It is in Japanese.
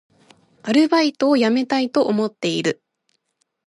アルバイトを辞めたいと思っている